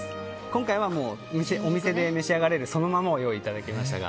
今回はお店で召し上がれるそのままをご用意いただきましたが。